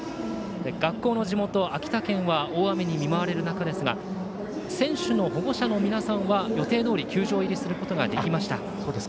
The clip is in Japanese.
学校の地元・秋田県は大雨に見舞われる中ですが選手の保護者の皆さんは予定どおり球場入りすることができました。